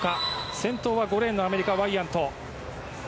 先頭は５レーンアメリカのワイヤント。